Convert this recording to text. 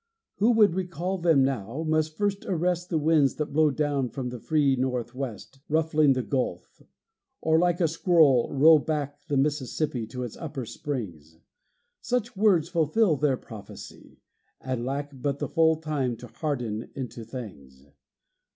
Who would recall them now must first arrest The winds that blow down from the free Northwest, Ruffling the Gulf; or like a scroll roll back The Mississippi to its upper springs. Such words fulfil their prophecy, and lack But the full time to harden into things.